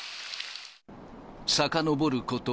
さかのぼること